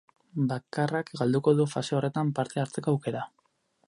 Bakarrak galduko du fase horretan parte hartzeko aukera.